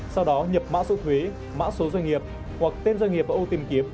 sau đó nhập mã số thuế mã số doanh nghiệp hoặc tên doanh nghiệp ở ô tìm kiếp